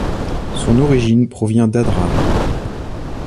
Son origine provient d'Adrar.